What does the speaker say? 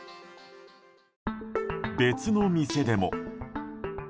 別の店でも。